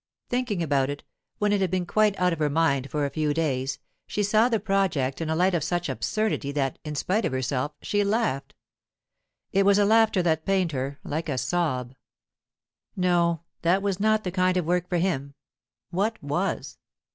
Thinking about it, when it had been quite out of her mind for a few days, she saw the project in a light of such absurdity that, in spite of herself, she laughed. It was laughter that pained her, like a sob. No, that was not the kind of work for him. What was?